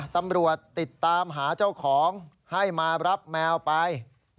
ติดตามหาเจ้าของให้มารับแมวไป